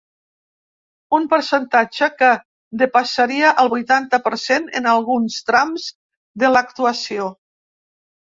Un percentatge que depassaria el vuitanta per cent en alguns trams de l’actuació.